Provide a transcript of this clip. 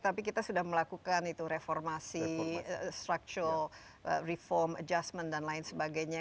tapi kita sudah melakukan itu reformasi structual reform adjustment dan lain sebagainya